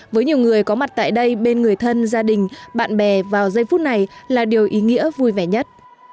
với nhiều người có mặt tại đây bên người thân gia đình bạn bè vào giây phút này là điều ý nghĩa vui vẻ nhất